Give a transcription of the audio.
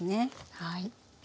はい。